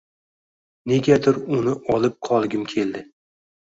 Negadir, uni olib qolgim keldi